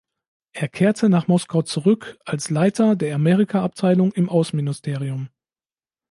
Er kehrte nach Moskau zurück als Leiter der Amerika-Abteilung im Außenministerium.